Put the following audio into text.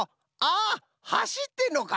はしってるのか！